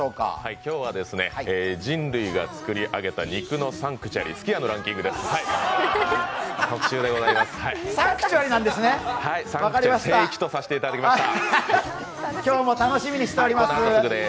今日は人類が作り上げた肉のサンクチュアリ、すき家のランキングです、特集でございます。